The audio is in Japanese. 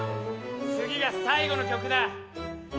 次が最後の曲だ。